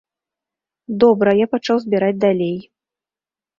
Добра, я пачаў збіраць далей.